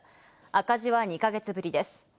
赤字は２か月ぶりです。